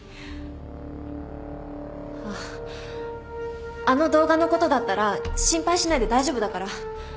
あっあの動画のことだったら心配しないで大丈夫だから。